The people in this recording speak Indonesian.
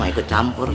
mau ikut campur